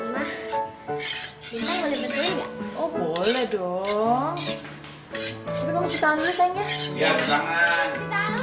ma resep baru ini apaan